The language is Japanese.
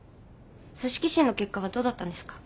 組織診の結果はどうだったんですか？